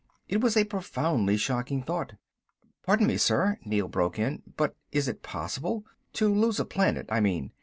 It was a profoundly shocking thought. "Pardon me, sir," Neel broke in, "but is it possible? To lose a planet, I mean.